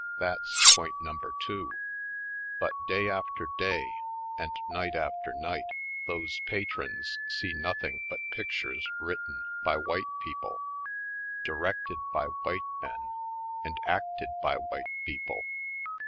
That's point num.ber two. But day after day and night after night those patrons see nothing but pictures written by white people, directed by white men, and acted by white people.